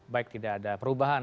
baik tidak ada perubahan